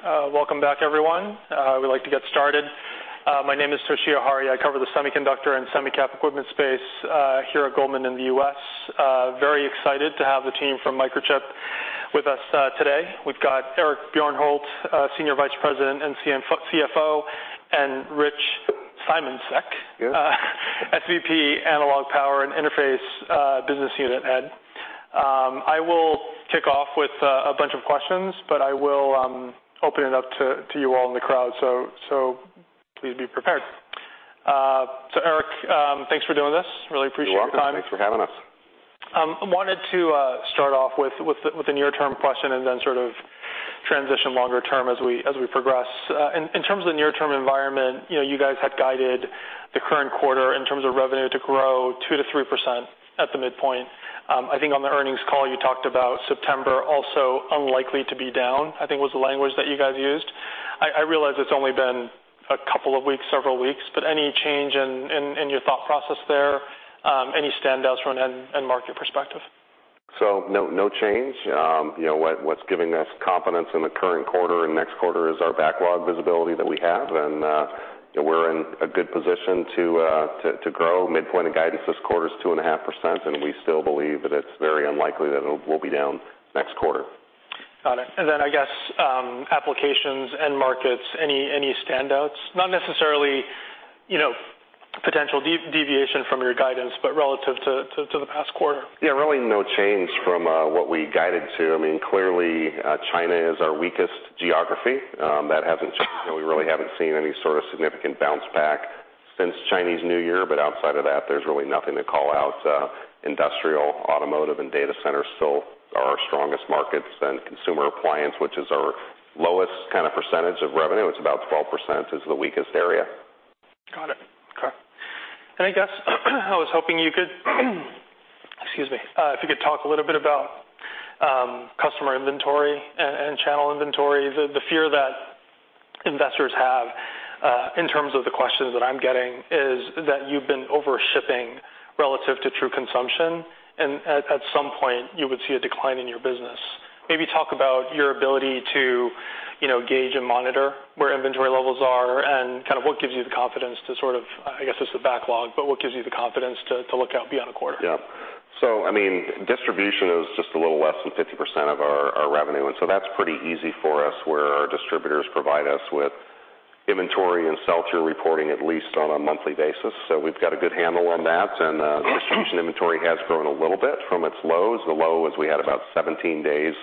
All right. Welcome back, everyone. We'd like to get started. My name is Toshiya Hari. I cover the semiconductor and semi-cap equipment space here at Goldman in the U.S. Very excited to have the team from Microchip with us today. We've got Eric Bjornholt, Senior Vice President and CFO, and Rich Simoncic, SVP, Analog Power and Interface, Business Unit Head. I will kick off with a bunch of questions, but I will open it up to you all in the crowd, so please be prepared. Eric, thanks for doing this. Really appreciate your time. You're welcome. Thanks for having us. I wanted to start off with a near-term question and then sort of transition longer term as we progress. In terms of the near-term environment, you know, you guys had guided the current quarter in terms of revenue to grow 2%-3% at the midpoint. I think on the earnings call, you talked about September also unlikely to be down, I think was the language that you guys used. I realize it's only been a couple of weeks, several weeks, but any change in your thought process there? Any standouts from an end market perspective? No, no change. You know, what's giving us confidence in the current quarter and next quarter is our backlog visibility that we have, and we're in a good position to grow. Midpoint of guidance this quarter is 2.5%. We still believe that we'll be down next quarter. Got it. I guess, applications, end markets, any standouts? Not necessarily, you know, potential deviation from your guidance, but relative to the past quarter. Yeah, really no change from what we guided to. I mean, clearly, China is our weakest geography. That hasn't changed, and we really haven't seen any sort of significant bounce back since Chinese New Year, but outside of that, there's really nothing to call out. Industrial, automotive, and data centers still are our strongest markets, and consumer appliance, which is our lowest kind of percentage of revenue, it's about 12%, is the weakest area. Got it. Okay. I guess, I was hoping you could, excuse me, if you could talk a little bit about customer inventory and channel inventory. The fear that investors have, in terms of the questions that I'm getting, is that you've been overshipping relative to true consumption, and at some point, you would see a decline in your business. Maybe talk about your ability to, you know, gauge and monitor where inventory levels are, and kind of what gives you the confidence to sort of, I guess, it's a backlog, but what gives you the confidence to look out beyond the quarter? Yeah. I mean, distribution is just a little less than 50% of our revenue. That's pretty easy for us, where our distributors provide us with inventory and sell-through reporting, at least on a monthly basis. We've got a good handle on that, and distribution inventory has grown a little bit from its lows. The low was we had about 17 days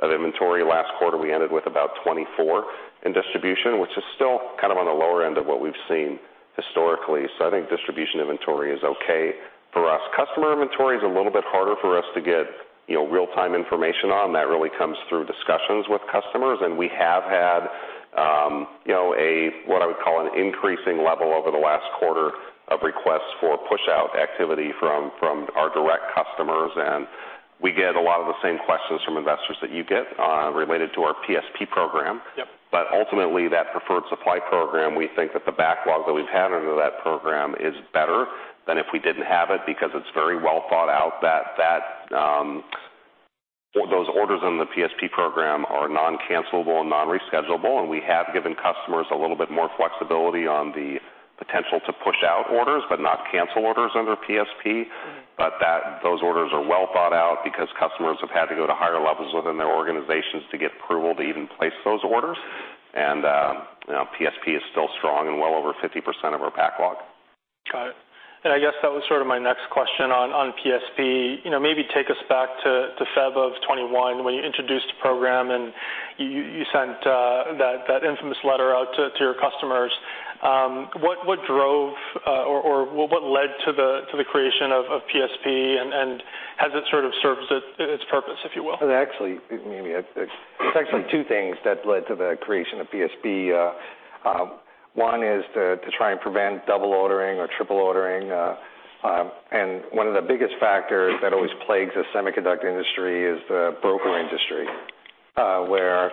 of inventory. Last quarter, we ended with about 24 in distribution, which is still kind of on the lower end of what we've seen historically. I think distribution inventory is okay for us. Customer inventory is a little bit harder for us to get, you know, real-time information on. That really comes through discussions with customers, and we have had, you know, a, what I would call an increasing level over the last quarter of requests for pushout activity from our direct customers, and we get a lot of the same questions from investors that you get, related to our PSP program. Ultimately, that Preferred Supply Program, we think that the backlog that we've had under that program is better than if we didn't have it, because it's very well thought out that Those orders in the PSP program are non-cancellable and non-rescheduleable, and we have given customers a little bit more flexibility on the potential to push out orders, but not cancel orders under PSP. That, those orders are well thought out because customers have had to go to higher levels within their organizations to get approval to even place those orders. You know, PSP is still strong and well over 50% of our backlog. Got it. I guess that was sort of my next question on PSP. You know, maybe take us back to Feb of 2021, when you introduced the program, and you sent that infamous letter out to your customers. What drove or what led to the creation of PSP, and has it sort of served its purpose, if you will? It actually, maybe, it's actually two things that led to the creation of PSP. One is to try and prevent double ordering or triple ordering. One of the biggest factors that always plagues the semiconductor industry is the broker industry, where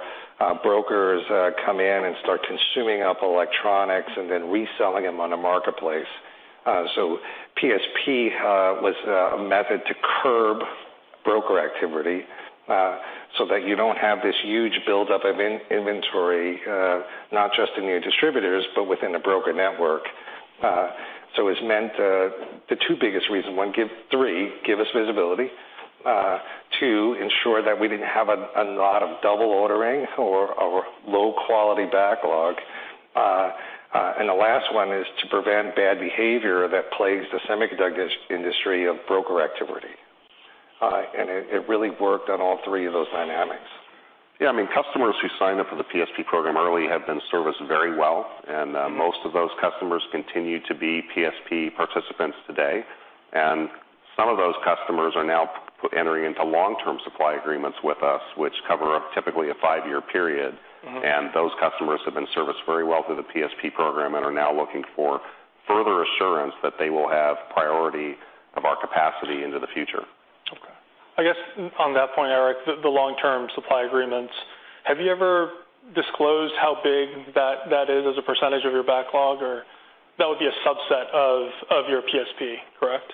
brokers come in and start consuming up electronics and then reselling them on a marketplace. PSP was a method to curb broker activity so that you don't have this huge buildup of inventory, not just in your distributors, but within a broker network. It's meant the two biggest reasons: one, three, give us visibility. Two, ensure that we didn't have a lot of double ordering or low-quality backlog. The last one is to prevent bad behavior that plagues the semiconductor industry of broker activity. It really worked on all three of those dynamics. Yeah, I mean, customers who signed up for the PSP program early have been serviced very well, and most of those customers continue to be PSP participants today. Some of those customers are now entering into long-term supply agreements with us, which cover a typically a five-year period. Those customers have been serviced very well through the PSP program and are now looking for further assurance that they will have priority of our capacity into the future. Okay. I guess on that point, Eric, the long-term supply agreements, have you ever disclosed how big that is as a percentage of your backlog, or that would be a subset of your PSP, correct?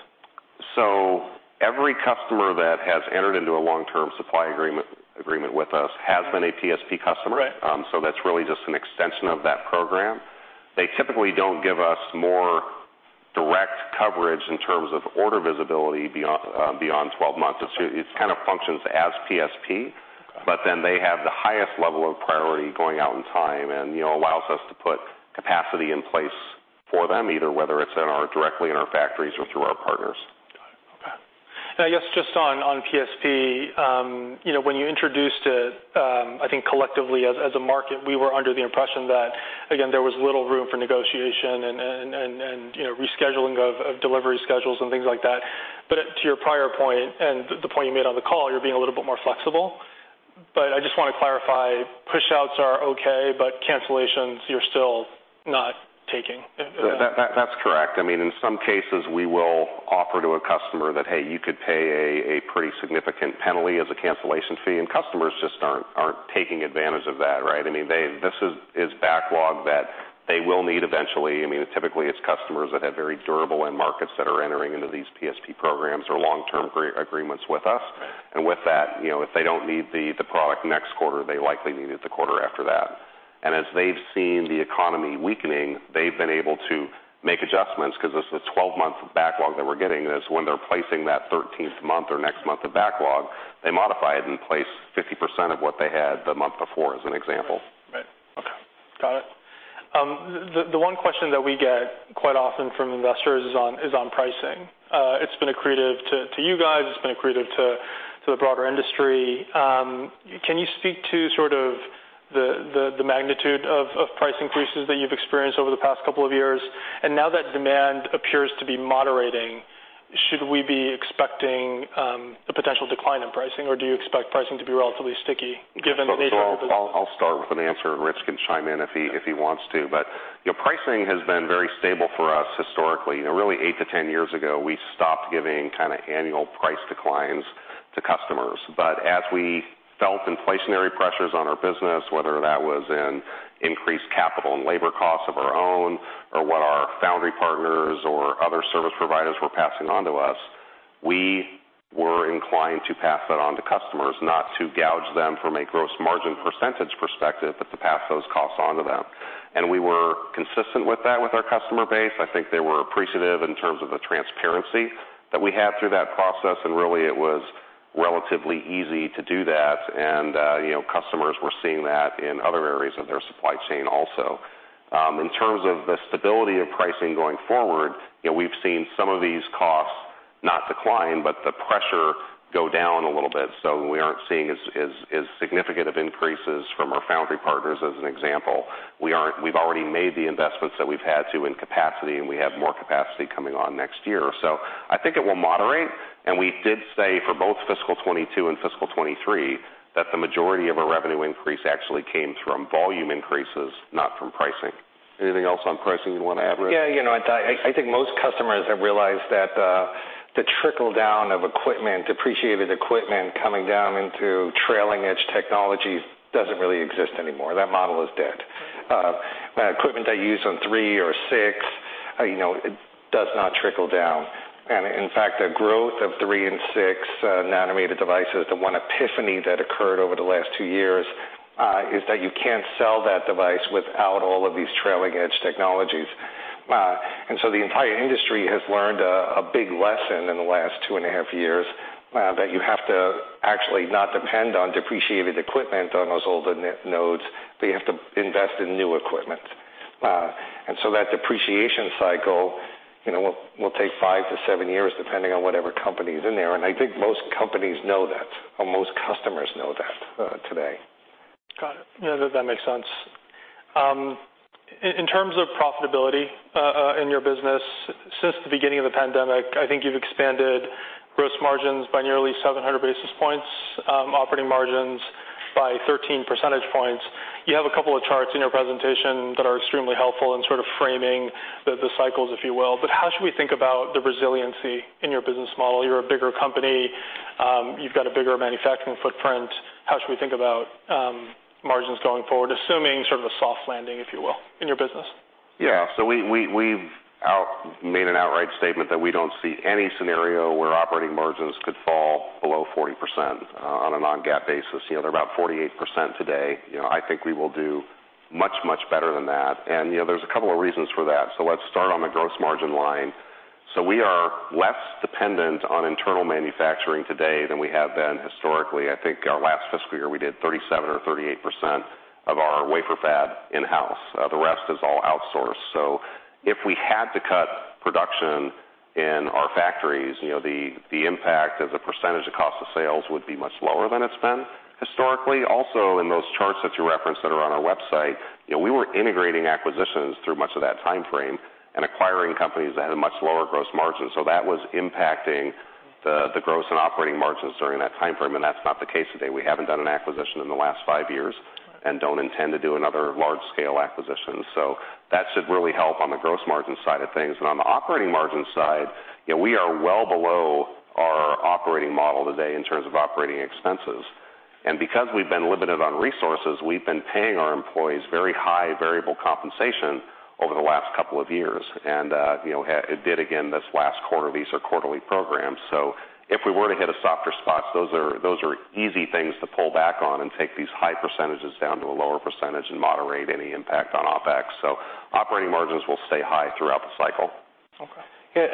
Every customer that has entered into a long-term supply agreement with us has been a PSP customer. Right. That's really just an extension of that program. They typically don't give us more direct coverage in terms of order visibility beyond 12 months. It kind of functions as PSP, they have the highest level of priority going out in time, you know, allows us to put capacity in place for them, either whether it's directly in our factories or through our partners. Got it. Okay. Now, yes, just on PSP, you know, when you introduced it, I think collectively as a market, we were under the impression that, again, there was little room for negotiation and rescheduling of delivery schedules and things like that. To your prior point and the point you made on the call, you're being a little bit more flexible. I just want to clarify, pushouts are okay, but cancellations, you're still not taking? That's correct. I mean, in some cases, we will offer to a customer that, "Hey, you could pay a pretty significant penalty as a cancellation fee," and customers just aren't taking advantage of that, right? I mean, this is backlog that they will need eventually. I mean, typically, it's customers that have very durable end markets that are entering into these PSP programs or long-term agreements with us. With that, you know, if they don't need the product next quarter, they likely need it the quarter after that. As they've seen the economy weakening, they've been able to make adjustments because this is a 12-month backlog that we're getting, and it's when they're placing that 13th month or next month of backlog, they modify it and place 50% of what they had the month before, as an example. Right. Okay, got it. The one question that we get quite often from investors is on pricing. It's been accretive to you guys, it's been accretive to the broader industry. Can you speak to sort of the magnitude of price increases that you've experienced over the past couple of years? Now that demand appears to be moderating, should we be expecting a potential decline in pricing, or do you expect pricing to be relatively sticky given the nature of the- I'll start with an answer, and Rich can chime in if he wants to. You know, pricing has been very stable for us historically. You know, really 8 to 10 years ago, we stopped giving kind of annual price declines to customers. As we felt inflationary pressures on our business, whether that was in increased capital and labor costs of our own, or what our foundry partners or other service providers were passing on to us, we were inclined to pass that on to customers, not to gouge them from a gross margin percentage perspective, but to pass those costs on to them. We were consistent with that with our customer base. I think they were appreciative in terms of the transparency that we had through that process, and really, it was relatively easy to do that. You know, customers were seeing that in other areas of their supply chain also. In terms of the stability of pricing going forward, you know, we've seen some of these costs not decline, but the pressure go down a little bit. We aren't seeing as significant of increases from our foundry partners as an example. We've already made the investments that we've had to in capacity, and we have more capacity coming on next year. I think it will moderate, and we did say for both fiscal twenty-two and fiscal twenty-three, that the majority of our revenue increase actually came from volume increases, not from pricing. Anything else on pricing you want to add, Rich? You know, I think most customers have realized that the trickle down of equipment, depreciated equipment coming down into trailing edge technology doesn't really exist anymore. That model is dead. Equipment I use on three or six, you know, it does not trickle down. In fact, the growth of three and six nanometer devices, the one epiphany that occurred over the last two years, is that you can't sell that device without all of these trailing edge technologies. The entire industry has learned a big lesson in the last 2.5 years that you have to actually not depend on depreciated equipment on those older nodes, but you have to invest in new equipment. That depreciation cycle, you know, will take five to seven years, depending on whatever company is in there. I think most companies know that, or most customers know that today. Got it. No, that makes sense. In, in terms of profitability, in your business, since the beginning of the pandemic, I think you've expanded gross margins by nearly 700 basis points, operating margins by 13 percentage points. You have a couple of charts in your presentation that are extremely helpful in sort of framing the cycles, if you will. How should we think about the resiliency in your business model? You're a bigger company. You've got a bigger manufacturing footprint. How should we think about, margins going forward, assuming sort of a soft landing, if you will, in your business? Yeah. We've made an outright statement that we don't see any scenario where operating margins could fall below 40% on a non-GAAP basis. You know, they're about 48% today. You know, I think we will do much, much better than that. You know, there's a couple of reasons for that. Let's start on the gross margin line. We are less dependent on internal manufacturing today than we have been historically. I think our last fiscal year, we did 37% or 38% of our wafer fab in-house. The rest is all outsourced. If we had to cut production in our factories, you know, the impact as a percentage of cost of sales would be much lower than it's been historically. In those charts that you referenced that are on our website, you know, we were integrating acquisitions through much of that time frame and acquiring companies that had a much lower gross margin. That was impacting the gross and operating margins during that time frame. That's not the case today. We haven't done an acquisition in the last 5 years and don't intend to do another large-scale acquisition. That should really help on the gross margin side of things. On the operating margin side, you know, we are well below our operating model today in terms of operating expenses. Because we've been limited on resources, we've been paying our employees very high variable compensation over the last couple of years, you know, it did again this last quarter. These are quarterly programs. If we were to hit a softer spot, those are easy things to pull back on and take these high percentages down to a lower percentage and moderate any impact on OpEx. Operating margins will stay high throughout the cycle. Okay.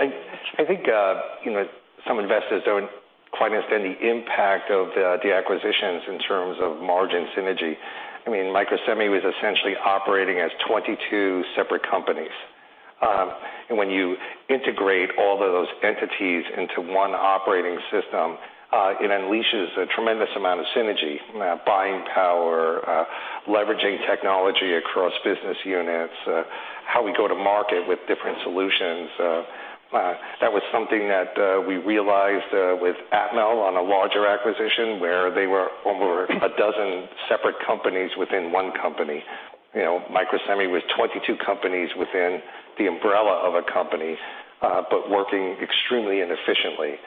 I think, you know, some investors don't quite understand the impact of the acquisitions in terms of margin synergy. I mean, Microsemi was essentially operating as 22 separate companies. When you integrate all those entities into one operating system, it unleashes a tremendous amount of synergy, buying power, leveraging technology across business units, how we go to market with different solutions. That was something that we realized with Atmel on a larger acquisition, where they were over a dozen separate companies within one company. You know, Microsemi was 22 companies within the umbrella of a company, but working extremely inefficiently.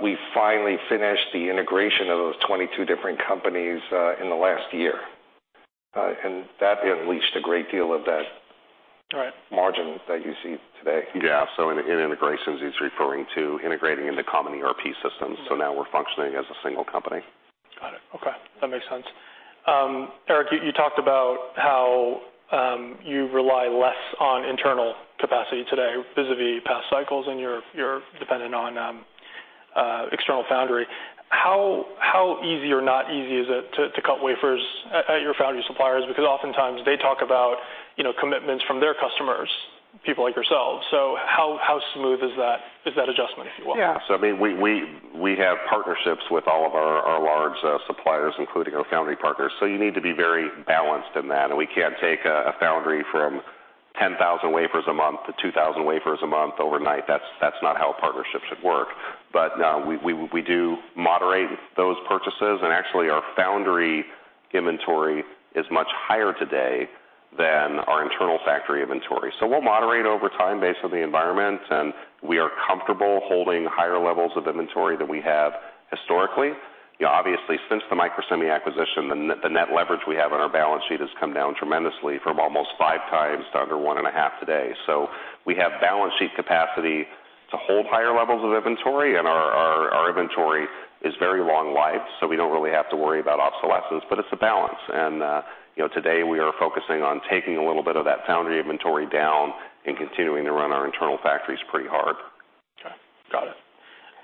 We finally finished the integration of those 22 different companies in the last year. That unleashed a great deal of that. Right. Margin that you see today. Yeah, in integrations, he's referring to integrating in the common ERP system. Now we're functioning as a single company. Got it. Okay, that makes sense. Eric, you talked about how you rely less on internal capacity today, vis-a-vis past cycles, and you're dependent on external foundry. How easy or not easy is it to cut wafers at your foundry suppliers? Because oftentimes they talk about, you know, commitments from their customers, people like yourselves. How smooth is that adjustment, if you will? I mean, we have partnerships with all of our large suppliers, including our foundry partners. You need to be very balanced in that, and we can't take a foundry from 10,000 wafers a month to 2,000 wafers a month overnight. That's not how a partnership should work. We do moderate those purchases, and actually, our foundry inventory is much higher today than our internal factory inventory. We'll moderate over time based on the environment, and we are comfortable holding higher levels of inventory than we have historically. You know, obviously, since the Microsemi acquisition, the net leverage we have on our balance sheet has come down tremendously from almost 5 times to under 1.5 today. We have balance sheet capacity to hold higher levels of inventory, and our inventory is very long-lived, so we don't really have to worry about obsolescence, but it's a balance. And, you know, today we are focusing on taking a little bit of that foundry inventory down and continuing to run our internal factories pretty hard. Okay, got it.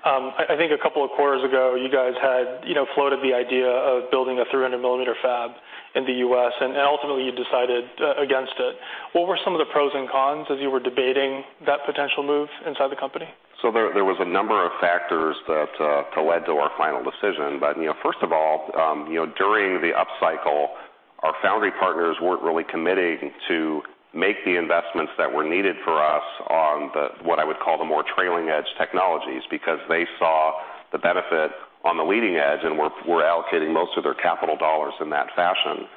I think a couple of quarters ago, you guys had, you know, floated the idea of building a 300 millimeter fab in the U.S. Ultimately, you decided against it. What were some of the pros and cons as you were debating that potential move inside the company? There was a number of factors that led to our final decision. You know, first of all, you know, during the upcycle, our foundry partners weren't really committing to make the investments that were needed for us on the, what I would call the more trailing edge technologies, because they saw the benefit on the leading edge and were allocating most of their capital dollars in that fashion.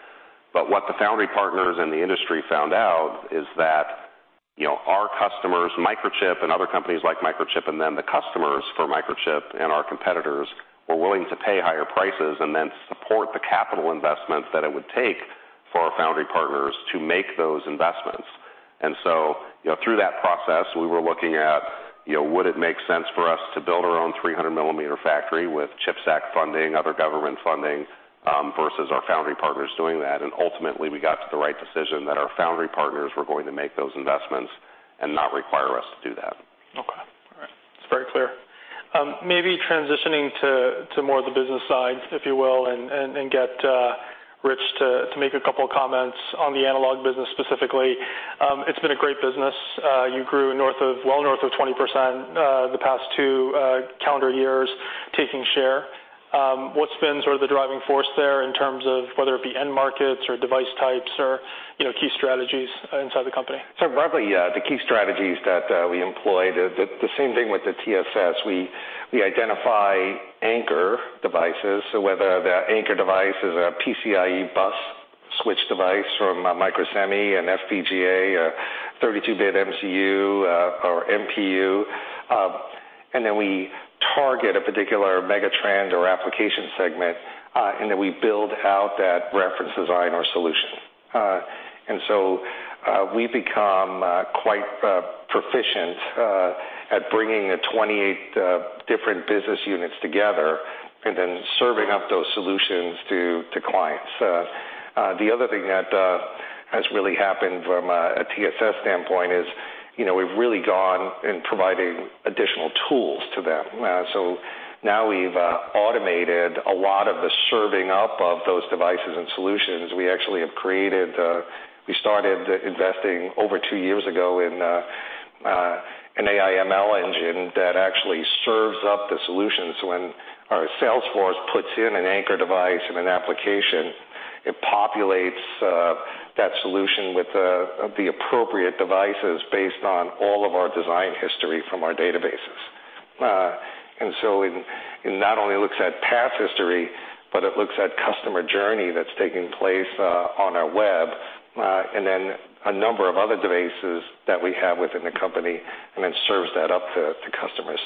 What the foundry partners in the industry found out is that, you know, our customers, Microchip and other companies like Microchip, and then the customers for Microchip and our competitors, were willing to pay higher prices and then support the capital investments that it would take for our foundry partners to make those investments. You know, through that process, we were looking at, you know, would it make sense for us to build our own 300 millimeter factory with CHIPS Act funding, other government funding, versus our foundry partners doing that? Ultimately, we got to the right decision that our foundry partners were going to make those investments and not require us to do that. Okay. All right. It's very clear. Maybe transitioning to more of the business side, if you will, and get Rich to make a couple of comments on the analog business specifically. It's been a great business. You grew north of 20% the past two calendar years, taking share. What's been sort of the driving force there in terms of whether it be end markets or device types or, you know, key strategies inside the company? Broadly, the key strategies that we employ, the same thing with the TSS. We identify anchor devices, so whether the anchor device is a PCIe bus switch device from Microsemi, an FPGA, a 32-bit MCU, or MPU. Then we target a particular megatrend or application segment, and then we build out that reference design or solution. So, we've become quite proficient at bringing the 28 different business units together and then serving up those solutions to clients. The other thing that has really happened from a TSS standpoint is, you know, we've really gone in providing additional tools to them. Now we've automated a lot of the serving up of those devices and solutions. We actually have created. We started investing over two years ago in an AI/ML engine that actually serves up the solutions when our sales force puts in an anchor device and an application. It populates that solution with the appropriate devices based on all of our design history from our databases. It not only looks at past history but it looks at customer journey that's taking place on our web, and then a number of other devices that we have within the company, and then serves that up to customers.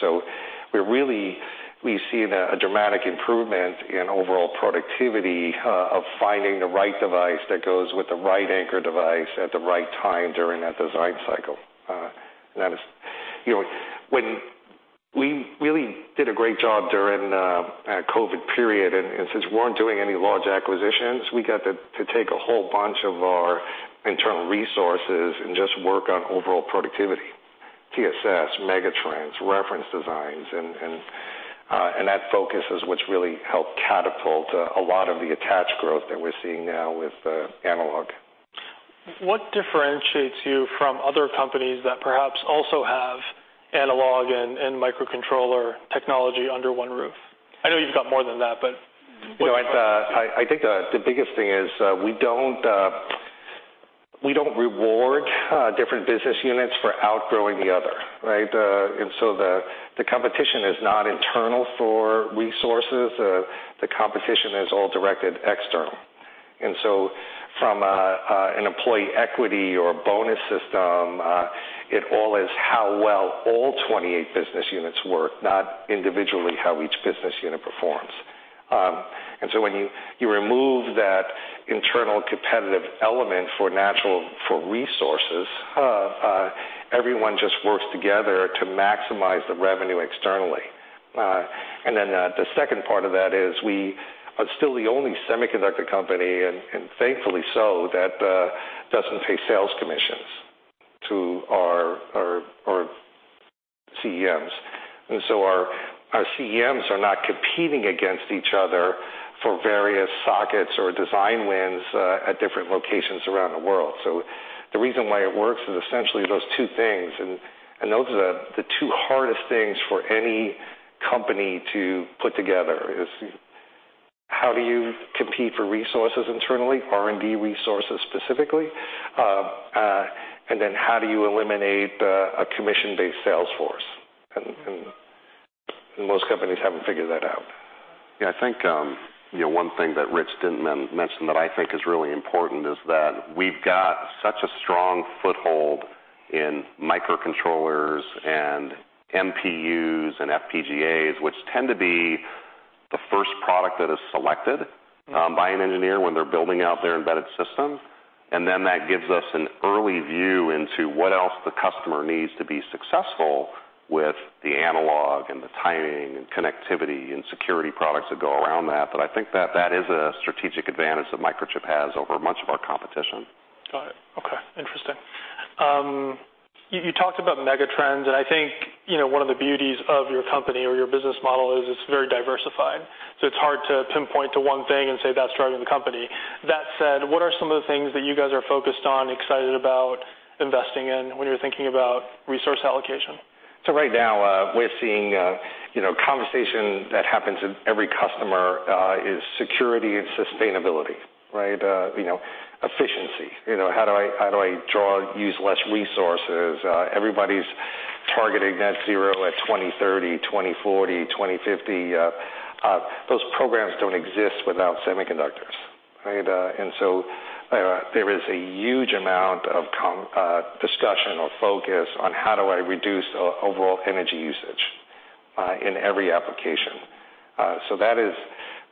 We've seen a dramatic improvement in overall productivity of finding the right device that goes with the right anchor device at the right time during that design cycle. That is, you know, we really did a great job during our COVID period, and since we weren't doing any large acquisitions, we got to take a whole bunch of our internal resources and just work on overall productivity, TSS, megatrends, reference designs, and that focus is what's really helped catapult a lot of the attach growth that we're seeing now with analog. What differentiates you from other companies that perhaps also have analog and microcontroller technology under one roof? I know you've got more than that, but what? You know, I think the biggest thing is we don't reward different business units for outgrowing the other, right? The competition is not internal for resources. The competition is all directed external. From an employee equity or bonus system, it all is how well all 28 business units work, not individually how each business unit performs. When you remove that internal competitive element for resources, everyone just works together to maximize the revenue externally. The second part of that is we are still the only semiconductor company, thankfully so, that doesn't pay sales commissions to our CEMs. Our CEMs are not competing against each other for various sockets or design wins at different locations around the world. The reason why it works is essentially those two things, and those are the two hardest things for any company to put together, is how do you compete for resources internally, R&D resources specifically, and then how do you eliminate a commission-based sales force? Most companies haven't figured that out. Yeah, I think, you know, one thing that Rich didn't mention, that I think is really important, is that we've got such a strong foothold in microcontrollers and MPUs and FPGAs, which tend to be the first product that is selected by an engineer when they're building out their embedded system. Then that gives us an early view into what else the customer needs to be successful with the analog and the timing and connectivity and security products that go around that. I think that that is a strategic advantage that Microchip has over much of our competition. Got it. Okay. Interesting. You talked about megatrends, and I think, you know, one of the beauties of your company or your business model is it's very diversified, so it's hard to pinpoint to one thing and say that's driving the company. That said, what are some of the things that you guys are focused on, excited about investing in when you're thinking about resource allocation? Right now, we're seeing, you know, conversation that happens in every customer, is security and sustainability, right? You know, efficiency. You know, how do I use less resources? Everybody's targeting Net Zero at 2030, 2040, 2050. Those programs don't exist without semiconductors, right? There is a huge amount of discussion or focus on how do I reduce overall energy usage in every application. That is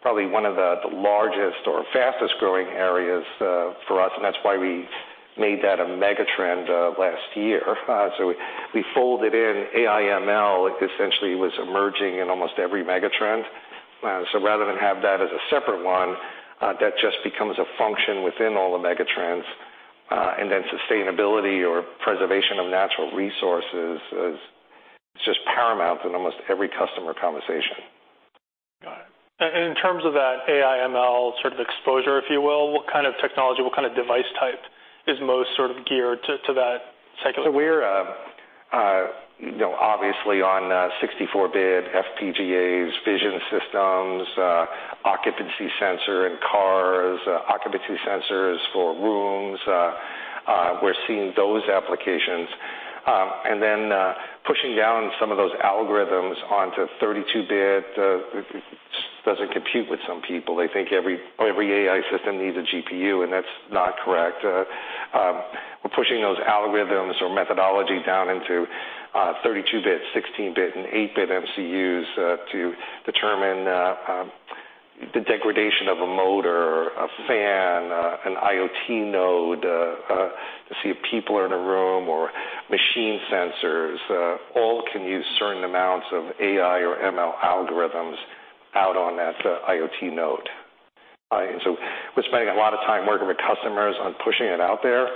probably one of the largest or fastest-growing areas for us, and that's why we made that a megatrend last year. We, we folded in AI/ML, it essentially was emerging in almost every megatrend. Rather than have that as a separate one, that just becomes a function within all the megatrends. Sustainability or preservation of natural resources is just paramount in almost every customer conversation. Got it. In terms of that AI/ML sort of exposure, if you will, what kind of technology, what kind of device type is most sort of geared to that cycle? We're, you know, obviously on 64 bit FPGAs, vision systems, occupancy sensor in cars, occupancy sensors for rooms, we're seeing those applications. Pushing down some of those algorithms onto 32 bit, just doesn't compute with some people. They think every AI system needs a GPU, and that's not correct. We're pushing those algorithms or methodology down into 32 bit, 16 bit, and 8 bit MCUs, to determine the degradation of a motor, a fan, an IoT node, to see if people are in a room or machine sensors. All can use certain amounts of AI or ML algorithms out on that IoT node. We're spending a lot of time working with customers on pushing it out there,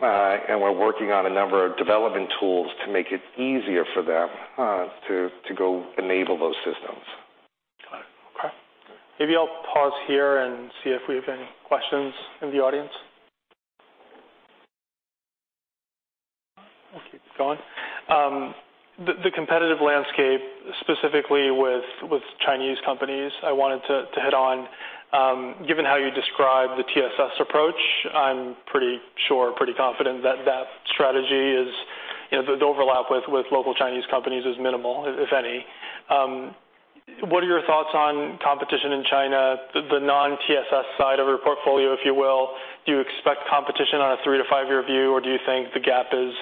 and we're working on a number of development tools to make it easier for them to go enable those systems. Got it. Okay. Maybe I'll pause here and see if we have any questions in the audience. We'll keep going. The competitive landscape, specifically with Chinese companies, I wanted to hit on, given how you describe the TSS approach, I'm pretty sure, pretty confident that that strategy, you know, the overlap with local Chinese companies is minimal, if any. What are your thoughts on competition in China, the non-TSS side of your portfolio, if you will? Do you expect competition on a three to five year view, or do you think the gap is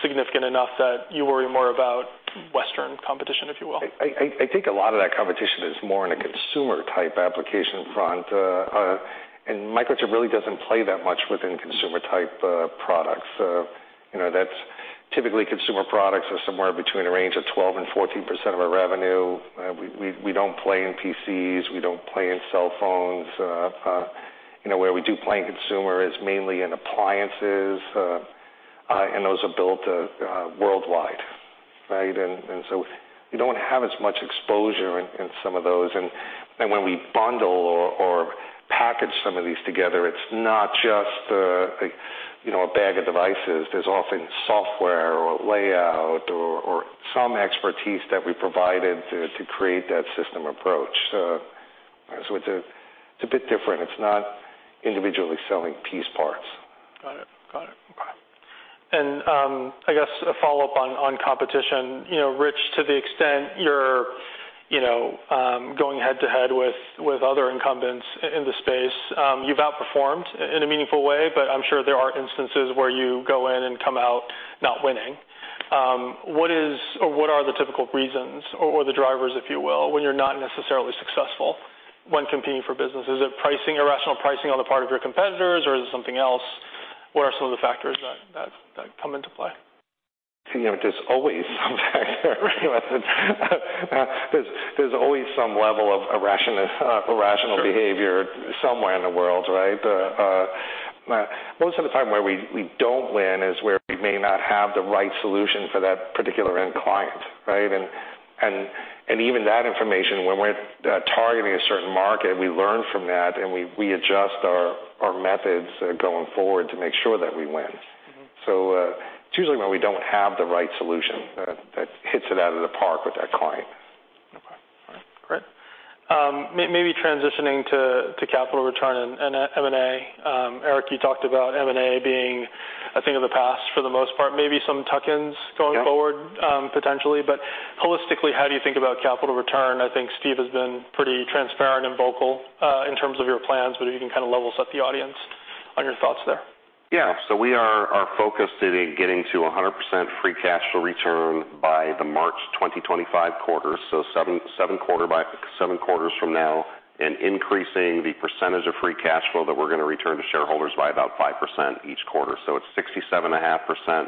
significant enough that you worry more about Western competition, if you will? I think a lot of that competition is more on a consumer-type application front, and Microchip really doesn't play that much within consumer-type products. You know, that's typically consumer products are somewhere between a range of 12% and 14% of our revenue. We don't play in PCs, we don't play in cell phones. You know, where we do play in consumer is mainly in appliances, and those are built worldwide, right? We don't have as much exposure in some of those. When we bundle or package some of these together, it's not just, you know, a bag of devices. There's often software or layout or some expertise that we provided to create that system approach. It's a bit different. It's not individually selling piece parts. Got it. Got it. I guess a follow-up on competition. You know, Rich, to the extent you're, you know, going head-to-head with other incumbents in the space, you've outperformed in a meaningful way, but I'm sure there are instances where you go in and come out not winning. What is, or what are the typical reasons or the drivers, if you will, when you're not necessarily successful when competing for business? Is it pricing, irrational pricing on the part of your competitors, or is it something else? What are some of the factors that come into play? You know, there's always some factor, right? There's always some level of irrational behavior. Sure somewhere in the world, right? Most of the time where we don't win is where we may not have the right solution for that particular end client, right? Even that information, when we're targeting a certain market, we learn from that, and we adjust our methods going forward to make sure that we win. It's usually when we don't have the right solution, that hits it out of the park with that client. Okay. All right, great. maybe transitioning to capital return and M&A. Eric, you talked about M&A being a thing of the past for the most part, maybe some tuck-ins going forward potentially. Holistically, how do you think about capital return? I think Steve has been pretty transparent and vocal, in terms of your plans, but if you can kind of level set the audience on your thoughts there. We are focused in getting to 100% free cash flow return by the March 2025 quarter. seven quarters from now, and increasing the percentage of free cash flow that we're going to return to shareholders by about 5% each quarter. It's 67.5%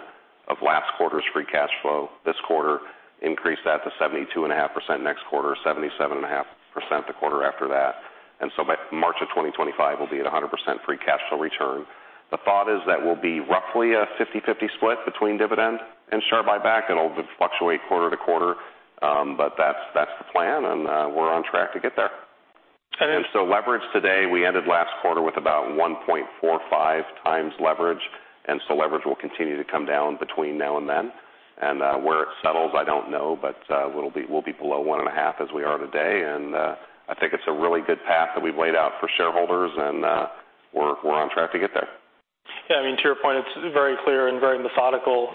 of last quarter's free cash flow. This quarter, increase that to 72.5%, next quarter, 77.5%, the quarter after that. By March of 2025, we'll be at 100% free cash flow return. The thought is that we'll be roughly a 50/50 split between dividend and share buyback. It'll fluctuate quarter to quarter, but that's the plan, and we're on track to get there. Leverage today, we ended last quarter with about 1.45x leverage. Leverage will continue to come down between now and then. Where it settles, I don't know, but we'll be below 1.5 as we are today. I think it's a really good path that we've laid out for shareholders. We're on track to get there. Yeah, I mean, to your point, it's very clear and very methodical,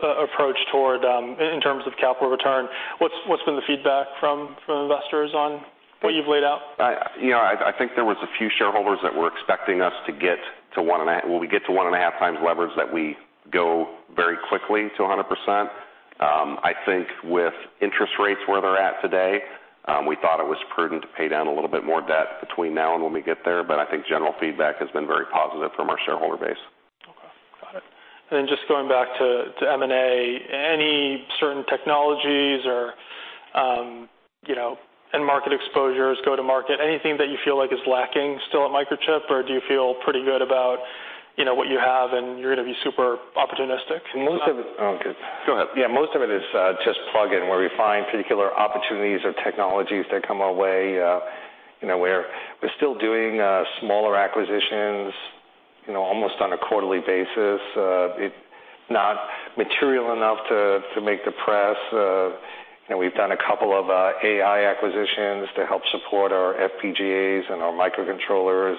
approach toward, in terms of capital return. What's been the feedback from investors on what you've laid out? I, you know, I think there was a few shareholders that were expecting us to get to one and a half times leverage, that we go very quickly to 100%. I think with interest rates where they're at today, we thought it was prudent to pay down a little bit more debt between now and when we get there, but I think general feedback has been very positive from our shareholder base. Okay. Got it. Just going back to M&A, any certain technologies or, you know, end market exposures, go-to-market, anything that you feel like is lacking still at Microchip? Do you feel pretty good about, you know, what you have, and you're going to be super opportunistic? Most of it. Oh, good. Go ahead. Yeah, most of it is just plug-in, where we find particular opportunities or technologies that come our way. You know, we're still doing smaller acquisitions, you know, almost on a quarterly basis. It's not material enough to make the press. You know, we've done a couple of AI acquisitions to help support our FPGAs and our microcontrollers.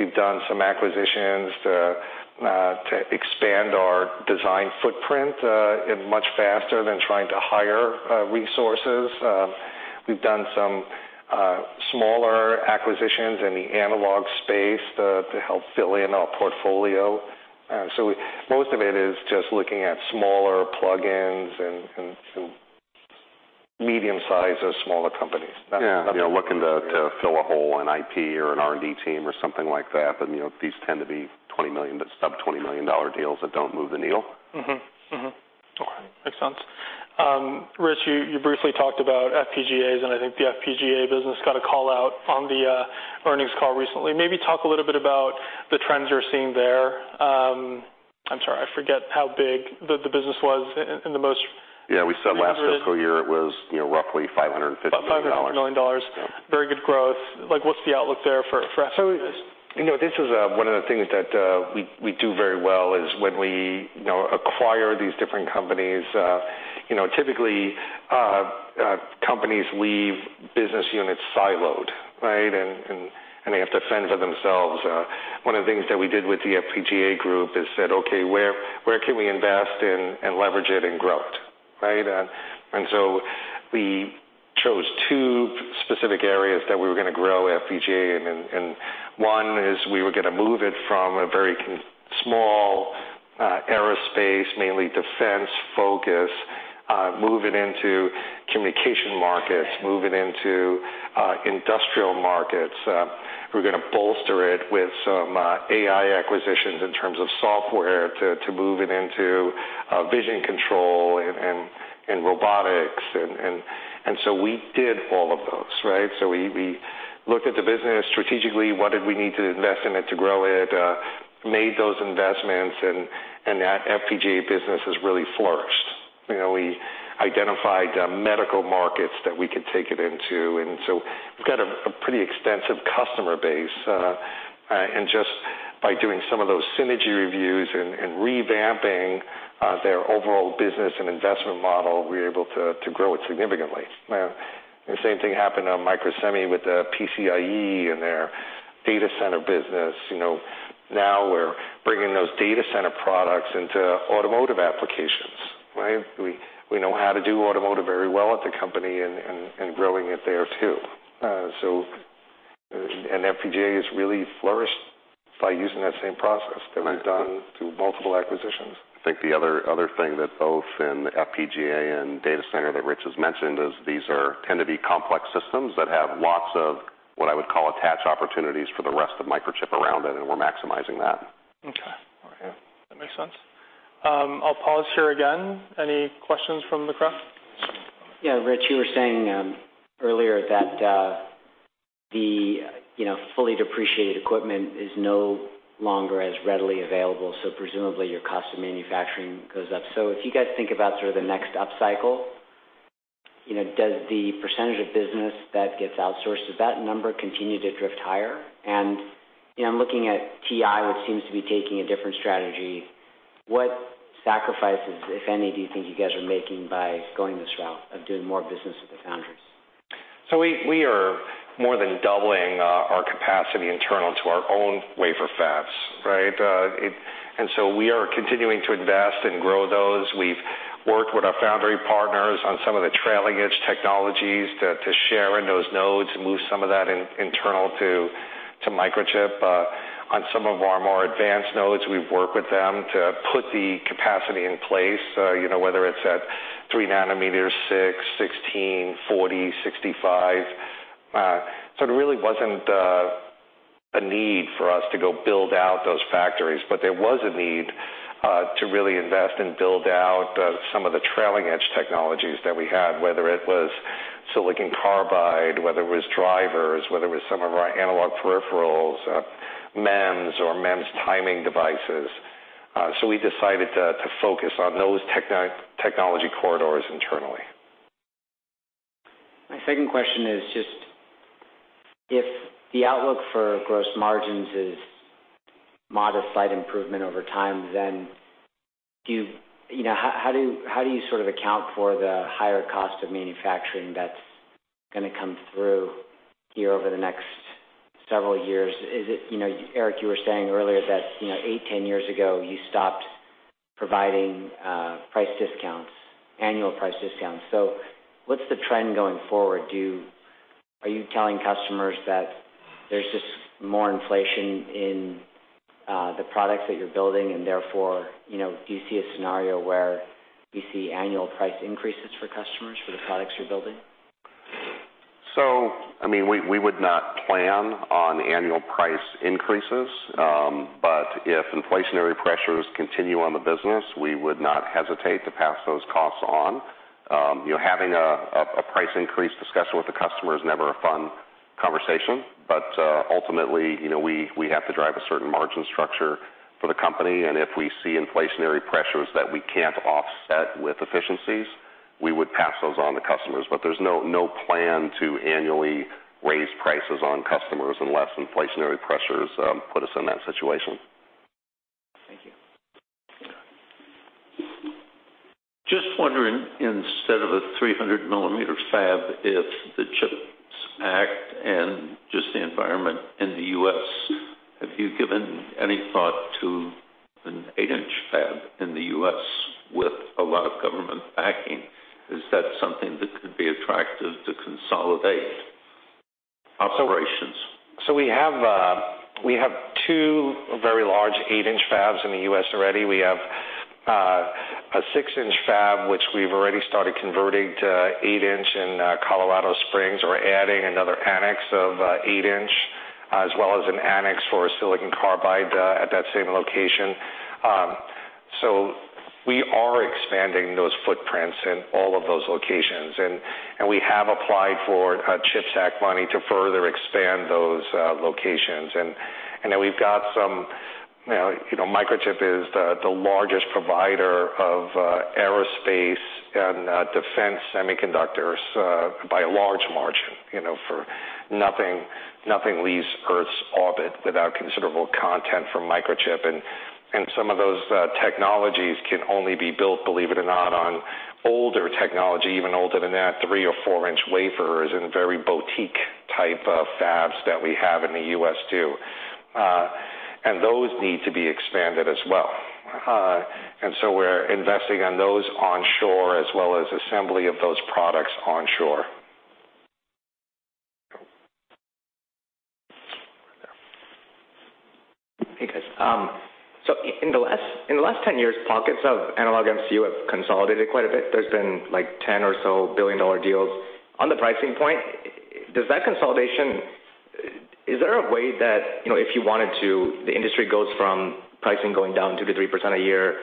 We've done some acquisitions to expand our design footprint, and much faster than trying to hire resources. We've done some smaller acquisitions in the analog space to help fill in our portfolio. Most of it is just looking at smaller plug-ins and medium-sized or smaller companies. Yeah, you know, looking to fill a hole, an IP or an R&D team or something like that. You know, these tend to be $20 million, sub $20 million dollar deals that don't move the needle. Okay. Makes sense. Rich, you briefly talked about FPGAs, and I think the FPGA business got a call-out on the earnings call recently. Maybe talk a little bit about the trends you're seeing there. I'm sorry, I forget how big the business was in the most- Yeah, we said- Recent... last fiscal year, it was, you know, roughly $550 million. About $500 million. Very good growth. Like, what's the outlook there for FPGAs? You know, this is one of the things that we do very well, is when we, you know, acquire these different companies, typically, companies leave business units siloed, right? They have to fend for themselves. One of the things that we did with the FPGA group is said: Okay, where can we invest in and leverage it and grow it, right? We chose two specific areas that we were going to grow FPGA, and one is we were going to move it from a very small, aerospace, mainly defense focus, move it into communication markets, move it into industrial markets. We're going to bolster it with some AI acquisitions in terms of software, to move it into vision control and robotics. So we did all of those, right? We looked at the business strategically, what did we need to invest in it to grow it, made those investments, and that FPGA business has really flourished. You know, we identified medical markets that we could take it into, and so we've got a pretty extensive customer base. Just by doing some of those synergy reviews and revamping their overall business and investment model, we were able to grow it significantly. Now, the same thing happened on Microsemi with the PCIe and their data center business. You know, now we're bringing those data center products into automotive applications, right? We know how to do automotive very well at the company and growing it there, too. FPGA has really flourished by using that same process that we've done through multiple acquisitions. I think the other thing that both in FPGA and data center that Rich has mentioned, is these tend to be complex systems that have lots of what I would call attach opportunities for the rest of Microchip around it, and we're maximizing that. Okay. Yeah, that makes sense. I'll pause here again. Any questions from the crowd? Yeah, Rich, you were saying, earlier that, the, you know, fully depreciated equipment is no longer as readily available, so presumably, your cost of manufacturing goes up. If you guys think about sort of the next upcycle, you know, does the percentage of business that gets outsourced, does that number continue to drift higher? You know, I'm looking at TI, which seems to be taking a different strategy. What sacrifices, if any, do you think you guys are making by going this route, of doing more business with the foundries? We are more than doubling our capacity internal to our own wafer fabs, right? We are continuing to invest and grow those. We've worked with our foundry partners on some of the trailing edge technologies to share in those nodes, and move some of that internal to Microchip. On some of our more advanced nodes, we've worked with them to put the capacity in place, you know, whether it's at three nanometers, 6, 16, 40, 65. There really wasn't a need for us to go build out those factories, but there was a need to really invest and build out some of the trailing edge technologies that we had, whether it was silicon carbide, whether it was drivers, whether it was some of our analog peripherals, MEMS or MEMS timing devices. We decided to focus on those technology corridors internally. My second question is just, if the outlook for gross margins is modest slight improvement over time, You know, how do you sort of account for the higher cost of manufacturing that's going to come through here over the next several years? Is it, you know, Eric, you were saying earlier that, you know, 8, 10 years ago, you stopped providing price discounts, annual price discounts. What's the trend going forward? Are you telling customers that there's just more inflation in the products that you're building, and therefore, you know, do you see a scenario where you see annual price increases for customers for the products you're building? I mean, we would not plan on annual price increases, but if inflationary pressures continue on the business, we would not hesitate to pass those costs on. You know, having a price increase discussion with the customer is never a fun conversation, but ultimately, you know, we have to drive a certain margin structure for the company, and if we see inflationary pressures that we can't offset with efficiencies, we would pass those on to customers. There's no plan to annually raise prices on customers unless inflationary pressures put us in that situation. Just wondering, instead of a 300 millimeter fab, if the CHIPS Act and just the environment in the U.S., have you given any thought to an 8-inch fab in the U.S. with a lot of government backing? Is that something that could be attractive to consolidate operations? We have two very large eight-inch fabs in the U.S. already. We have a six-inch fab, which we've already started converting to eight-inch in Colorado Springs. We're adding another annex of eight-inch, as well as an annex for silicon carbide at that same location. We are expanding those footprints in all of those locations, and we have applied for CHIPS Act money to further expand those locations. You know, Microchip is the largest provider of aerospace and defense semiconductors by a large margin. You know, for nothing leaves Earth's orbit without considerable content from Microchip, and some of those technologies can only be built, believe it or not, on older technology, even older than that, three or four inch wafers in very boutique type of fabs that we have in the U.S., too. Those need to be expanded as well. We're investing on those onshore as well as assembly of those products onshore. Hey, guys. In the last 10 years, pockets of analog MCU have consolidated quite a bit. There's been, like, 10 or so billion-dollar deals. On the pricing point, is there a way that, you know, if you wanted to, the industry goes from pricing going down 2%-3% a year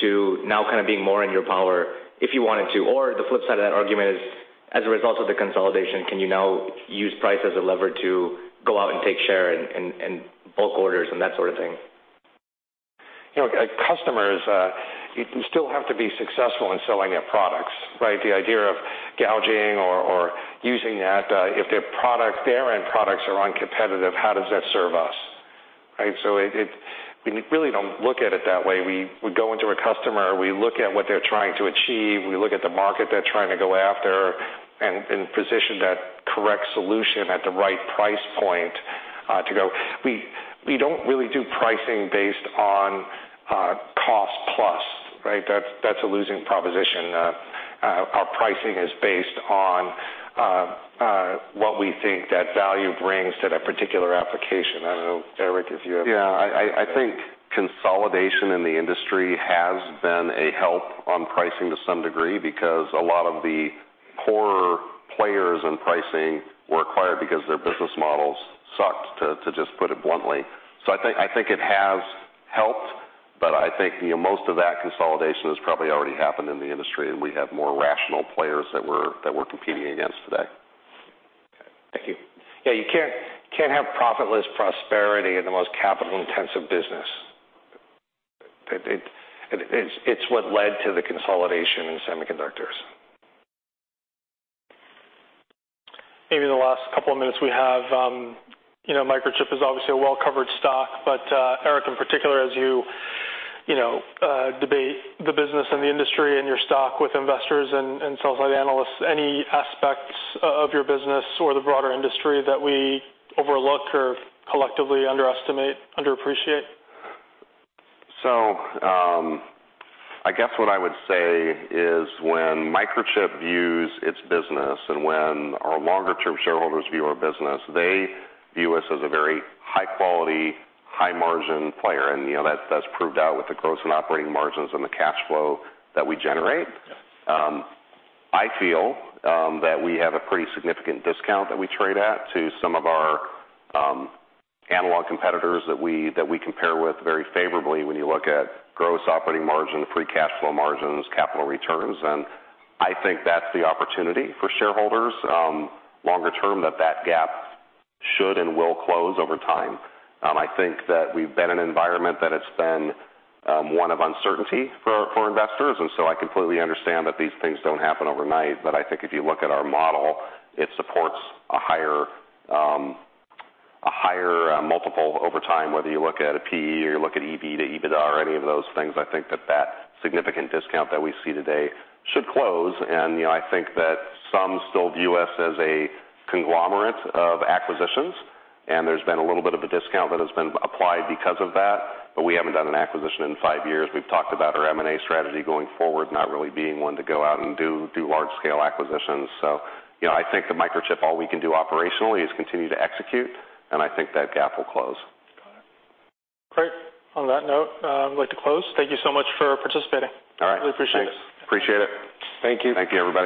to now kind of being more in your power if you wanted to? The flip side of that argument is, as a result of the consolidation, can you now use price as a lever to go out and take share and bulk orders and that sort of thing? You know, customers, you still have to be successful in selling their products, right? The idea of gouging or using that, if their product, their end products are uncompetitive, how does that serve us, right? We really don't look at it that way. We go into a customer, we look at what they're trying to achieve, we look at the market they're trying to go after, and position that correct solution at the right price point to go. We don't really do pricing based on cost plus, right? That's a losing proposition. Our pricing is based on what we think that value brings to that particular application. I don't know, Eric, if you have. Yeah, I think consolidation in the industry has been a help on pricing to some degree, because a lot of the poorer players in pricing were acquired because their business models sucked, to just put it bluntly. I think, I think it has helped, but I think, you know, most of that consolidation has probably already happened in the industry, and we have more rational players that we're competing against today. Thank you. Yeah, you can't have profitless prosperity in the most capital-intensive business. It's what led to the consolidation in semiconductors. Maybe in the last couple of minutes we have, you know, Microchip is obviously a well-covered stock, but Eric, in particular, as you know, debate the business and the industry and your stock with investors and sell-side analysts, any aspects of your business or the broader industry that we overlook or collectively underestimate, underappreciate? I guess what I would say is when Microchip views its business, and when our longer-term shareholders view our business, they view us as a very high-quality, high-margin player, and, you know, that's proved out with the close in operating margins and the cash flow that we generate. I feel that we have a pretty significant discount that we trade at to some of our analog competitors that we compare with very favorably when you look at gross operating margin, free cash flow margins, capital returns. I think that's the opportunity for shareholders, longer term, that gap should and will close over time. I think that we've been in an environment that has been one of uncertainty for investors. I completely understand that these things don't happen overnight. I think if you look at our model, it supports a higher multiple over time, whether you look at a P/E or you look at EV/EBITDA or any of those things. I think that significant discount that we see today should close. You know, I think that some still view us as a conglomerate of acquisitions, and there's been a little bit of a discount that has been applied because of that, but we haven't done an acquisition in 5 years. We've talked about our M&A strategy going forward, not really being one to go out and do large-scale acquisitions. You know, I think at Microchip, all we can do operationally is continue to execute, and I think that gap will close. Got it. Great. On that note, I'd like to close. Thank you so much for participating. All right. We appreciate it. Appreciate it. Thank you. Thank you, everybody.